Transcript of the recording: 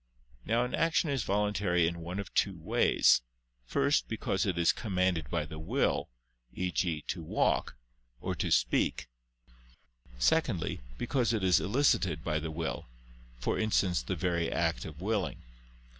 Now an action is voluntary in one of two ways: first, because it is commanded by the will, e.g. to walk, or to speak; secondly, because it is elicited by the will, for instance the very act of willing.